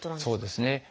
そうですね。